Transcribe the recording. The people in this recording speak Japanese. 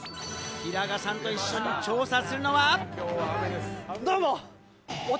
平賀さんと一緒に調査するのは。